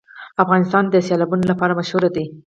افغانستان د سیلابونه لپاره مشهور دی.